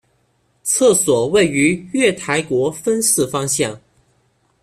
厕所位于月台国分寺方向。